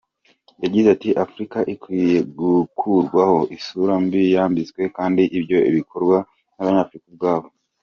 Yagize ati “ Afurika ikwiye gukurwaho isura mbi yambitswe kandi ibyo bigakorwa n’Abanyafurika ubwabo.